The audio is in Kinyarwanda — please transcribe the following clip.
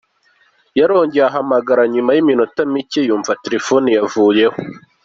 Yarongeye arahamagara nyuma y’iminota micye, yumva telephone yavuyeho.